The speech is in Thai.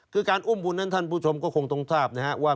คือการอุ้มบุญนั้นท่านผู้ชมก็คงต้องทราบนะครับว่า